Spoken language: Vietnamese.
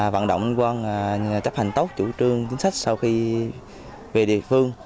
vận động anh quang chấp hành tốt chủ trương chính sách sau khi về địa phương